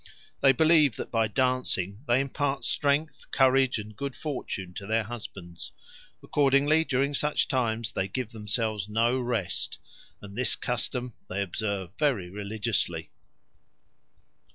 They believe that by dancing they impart strength, courage, and good fortune to their husbands; accordingly during such times they give themselves no rest, and this custom they observe very religiously."